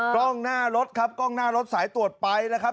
กล้องหน้ารถครับกล้องหน้ารถสายตรวจไปแล้วครับ